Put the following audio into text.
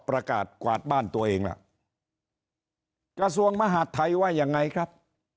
ประกาศกวาดบ้านตัวเองล่ะกระทรวงมหาดไทยว่ายังไงครับ